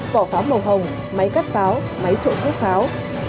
vỏ pháo màu hồng máy cắt pháo máy trộn thuốc pháo